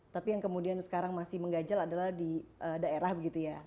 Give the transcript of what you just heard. tapi yang kemudian sekarang masih menggajal adalah di daerah begitu ya